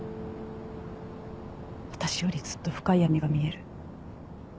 私よりずっと深い闇が見える。